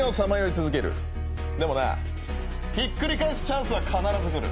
でもなひっくり返すチャンスは必ず来る。